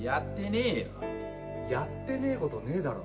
やってねえことねえだろ。